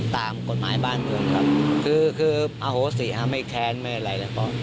ตามกฎหมายบ้านเมืองครับคืออาโหสิไม่แค้นไม่อะไรหรอก